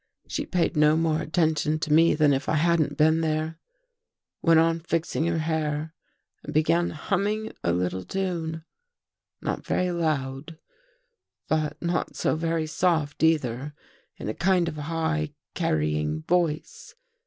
She paid no more attention to me than if I hadn't been there — went on fixing her hair and began humming a little tune. Not very loud, but not so very soft either, in a kind of high carrying voice.